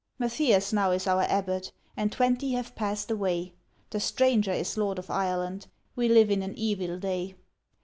Matthias now is our Abbot, and twenty have pass'd away. The stranger is lord of Ireland; we live in an evil day.'